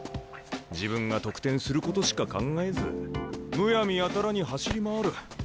自分が得点することしか考えずむやみやたらに走り回る。